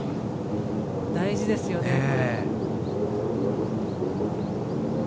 大事ですよね。